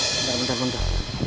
bentar bentar bentar